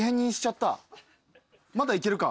まだいけるか。